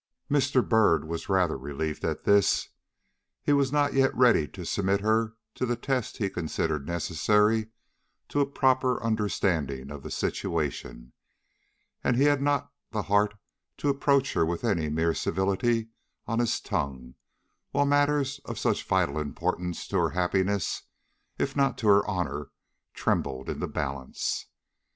Mr. Byrd was rather relieved at this. He was not yet ready to submit her to the test he considered necessary to a proper understanding of the situation; and he had not the heart to approach her with any mere civility on his tongue, while matters of such vital importance to her happiness, if not to her honor, trembled in the balance.